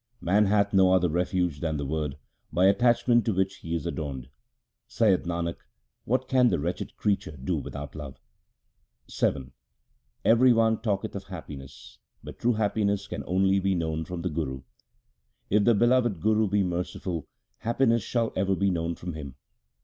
Man hath no other refuge than the Word, by attachment to which he is adorned. Saith Nanak, what can the wretched creature do without love ? VII Every one talketh of happiness, but true happiness can only be known from the Guru ; If the beloved Guru be merciful, happiness shall ever be known from him.